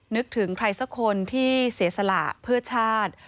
นึกถึงใครสักคนที่เสียสละเพื่อชาติ